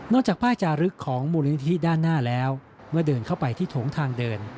จากป้ายจารึกของมูลนิธิด้านหน้าแล้วเมื่อเดินเข้าไปที่โถงทางเดิน